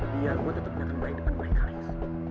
biar gue tetep nyatain baik baik guys